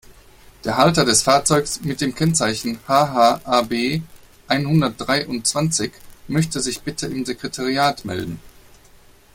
Der Halter des Fahrzeugs mit dem Kennzeichen HH-AB-einhundertdreiundzwanzig möchte sich bitte im Sekretariat melden.